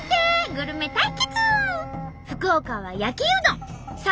グルメ対決！